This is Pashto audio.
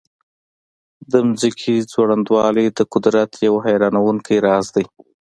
د ځمکې ځوړندوالی د قدرت یو حیرانونکی راز دی.